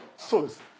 そうです。